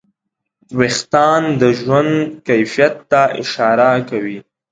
وېښتيان د ژوند کیفیت ته اشاره کوي.